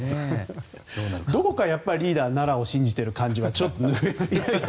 どこか、リーダー奈良を信じている感じが。